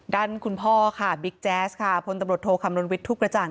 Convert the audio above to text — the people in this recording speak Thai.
ด้านคุณพ่อค่ะบิ๊กแจ๊สค่ะพลตำรวจโทคำนวณวิทย์ทุกกระจ่าง